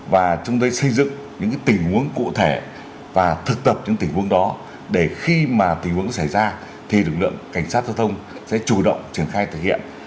và chúng tôi xây dựng những tình huống cụ thể và thực tập những tình huống đó để khi mà tình huống xảy ra thì lực lượng cảnh sát giao thông sẽ chủ động triển khai thực hiện